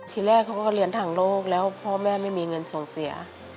ทีแรกเขาก็เรียนทางโลกแล้วพ่อแม่ไม่มีเงินส่งเสีย